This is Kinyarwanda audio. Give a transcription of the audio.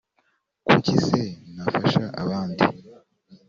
kuki se ntafasha abandi